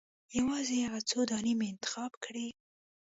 یوازې هغه څو دانې مې انتخاب کړې.